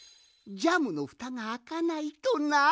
ジャムのふたがあかないとな！